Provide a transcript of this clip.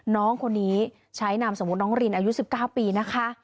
น้องคนนี้ใช้นามสมมุติน้องรินอายุ๑๙ปีนะคะ